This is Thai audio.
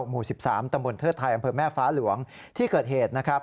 หมู่๑๓ตำบลเทิดไทยอำเภอแม่ฟ้าหลวงที่เกิดเหตุนะครับ